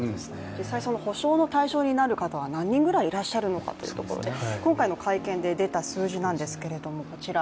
補償の対象になる方は何人ぐらいいらっしゃるのかということで今回の会見で出た数字はこちら。